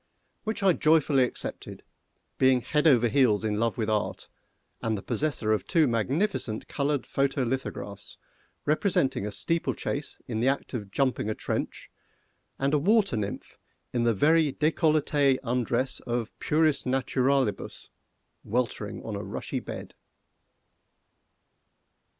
Which I joyfully accepted, being head over heels in love with Art, and the possessor of two magnificent coloured photo lithographs, representing a steeplechase in the act of jumping a trench, and a water nymph in the very décolleté undress of "puris naturalibus," weltering on a rushy bed.